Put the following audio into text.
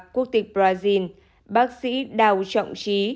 quốc tịch brazil bác sĩ đào trọng trí